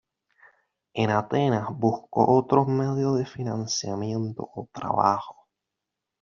En Atenas buscó otros medios de financiamiento o trabajos.